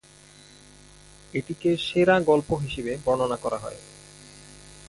এটিকে 'সেরা গল্প' হিসেবে বর্ণনা করা হয়।